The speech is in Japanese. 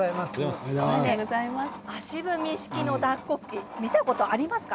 足踏み式の脱穀機見たことありますか？